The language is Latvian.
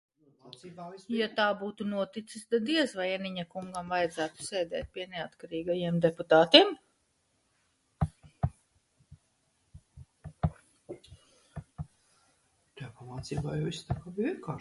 Ja tā būtu noticis, tad diez vai Eniņa kungam vajadzētu sēdēt pie neatkarīgajiem deputātiem?